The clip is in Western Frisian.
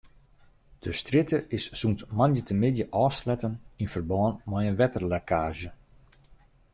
De strjitte is sûnt moandeitemiddei ôfsletten yn ferbân mei in wetterlekkaazje.